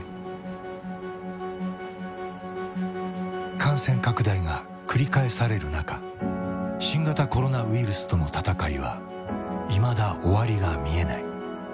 感染拡大が繰り返される中新型コロナウイルスとの闘いはいまだ終わりが見えない。